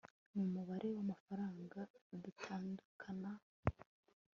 n umubare w amafaranga bitandukana